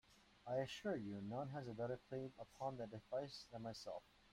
I assure you, none has a better claim upon that device than myself.